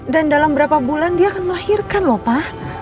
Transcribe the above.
dan dalam berapa bulan dia akan melahirkan lho pa